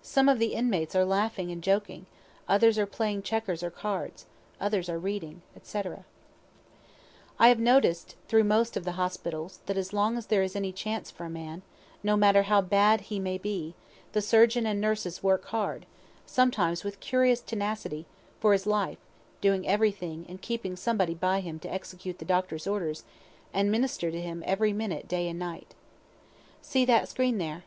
Some of the inmates are laughing and joking, others are playing checkers or cards, others are reading, &c. I have noticed through most of the hospitals that as long as there is any chance for a man, no matter how bad he may be, the surgeon and nurses work hard, sometimes with curious tenacity, for his life, doing everything, and keeping somebody by him to execute the doctor's orders, and minister to him every minute night and day. See that screen there.